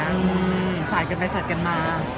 ้ามมสัดกันไปสัดกันมา